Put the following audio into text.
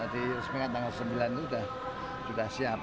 diresmikan tanggal sembilan itu sudah siap